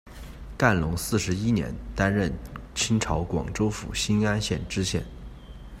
干隆四十一年，担任清朝广州府新安县知县。